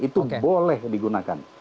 itu boleh digunakan